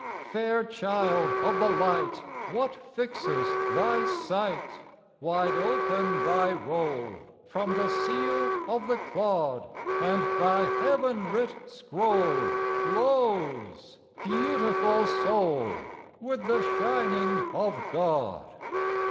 Fair child of the light, What fixes thy sight? Wide open thy roll From the seal of the clod, And thy heaven writ scroll Glows, beautiful soul, With the shining of God!